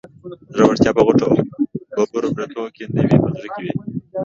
زړورتيا په غټو او ببرو برېتو کې نه وي، په زړه کې وي